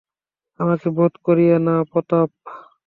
আমাকে বধ করিয়ো না প্রতাপ!